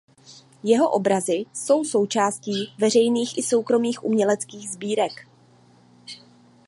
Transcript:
Jeho obrazy jsou součástí veřejných i soukromých uměleckých sbírek.